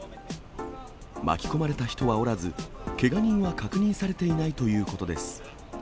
巻き込まれた人はおらず、けが人は確認されてないということです。